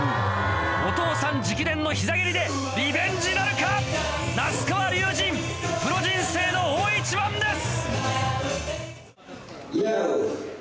お父さん直伝の膝蹴りでリベンジなるか⁉那須川龍心プロ人生の大一番です！